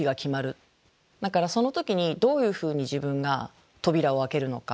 だからその時にどういうふうに自分が扉を開けるのか。